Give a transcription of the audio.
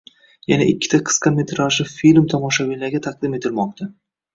Yana ikkita qisqa metrajli film tomoshabinlarga taqdim etilmoqda